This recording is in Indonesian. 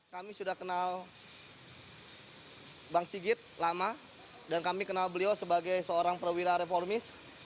kami sudah kenal bang sigit lama dan kami kenal beliau sebagai seorang perwira reformis